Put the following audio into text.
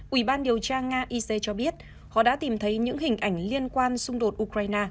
ủy ban điều tra nga ic cho biết họ đã tìm thấy những hình ảnh liên quan xung đột ukraine